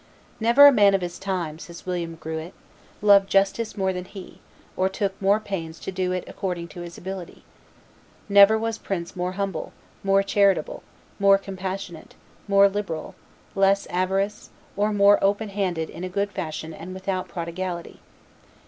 "Never a man of his time," says William Gruet, "loved justice more than he, or took more pains to do it according to his ability. Never was prince more humble, more charitable, more compassionate, more liberal, less avaricious, or more open handed in a good fashion and without prodigality.